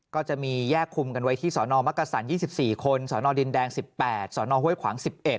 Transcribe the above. ก็จะมีแยกคุมกันไว้ที่สนมักกษัน๒๔คนสนดินแดง๑๘สนห้วยขวาง๑๑